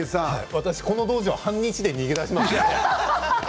私、この道場半日で逃げ出します。